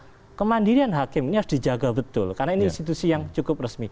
karena kemandirian hakim ini harus dijaga betul karena ini institusi yang cukup resmi